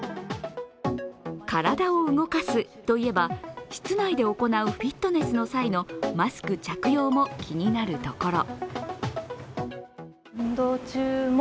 体を動かすといえば室内で行うフィットネスの際のマスク着用も気になるところ。